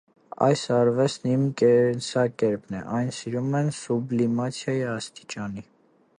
Այս արվեստն իմ կենսակերպն է, այն սիրում եմ սուբլիմացիայի աստիճանի։